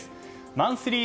マンスリー